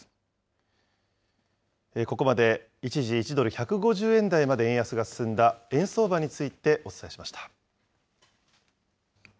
ここまで、一時１ドル１５０円台まで円安が進んだ円相場についてお伝えしました。